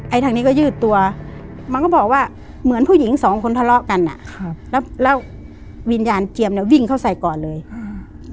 ทางนี้ก็ยืดตัวมันก็บอกว่าเหมือนผู้หญิงสองคนทะเลาะกันอ่ะครับแล้วแล้ววิญญาณเจียมเนี้ยวิ่งเข้าใส่ก่อนเลยอืม